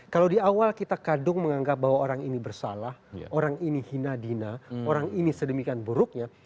kalau di awal kita kadung menganggap bahwa orang ini bersalah orang ini hina dina orang ini sedemikian buruknya